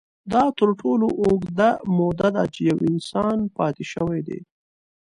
دا تر ټولو اوږده موده ده، چې یو انسان پاتې شوی دی.